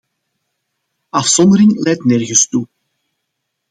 Afzondering leidt nergens toe.